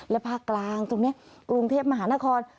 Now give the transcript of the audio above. และภาคกลางตรงนี้กรุงเทพมหานคร